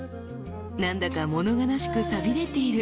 ［何だか物悲しく寂れている］